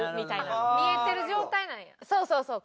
そうそうそう。